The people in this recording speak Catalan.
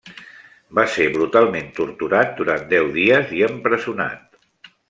Va ser brutalment torturat durant deu dies i empresonat.